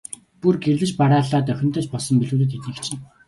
Бүр гэрлэж бараалаад охинтой ч болсон билүү дээ, тэднийх чинь.